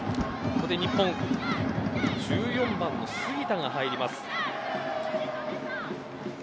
ここで日本１４番の杉田が入ります。